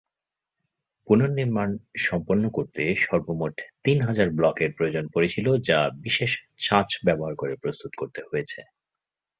পুনর্নির্মাণ সম্পন্ন করতে সর্বমোট তিন হাজার ব্লকের প্রয়োজন পড়েছিল যা বিশেষ ছাঁচ ব্যবহার করে প্রস্তুত করতে হয়েছে।